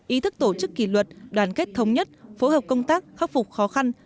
ý thức tổ chức kỷ luật đoàn kết thống nhất phối hợp công tác khắc phục khó khăn